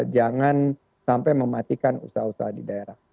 jangan sampai mematikan usaha usaha di daerah